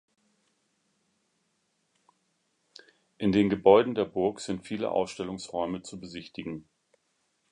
In den Gebäuden der Burg sind viele Ausstellungsräume zu besichtigen.